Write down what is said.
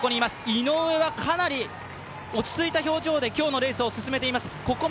井上はかなり落ち着いた表情で今日のレースを進めています。